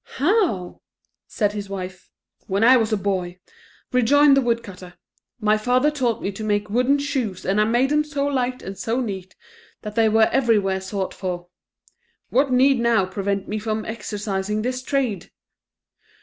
"How?" said his wife. "When I was a boy," rejoined the woodcutter, "my father taught me to make wooden shoes and I made them so light and so neat, that they were everywhere sought for. What need now prevent me from exercising this trade?